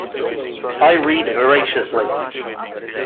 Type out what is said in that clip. I read voraciously.